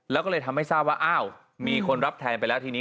แล้วก็เลยทำให้ทราบว่าอ้าวมีคนรับแทนไปแล้วทีนี้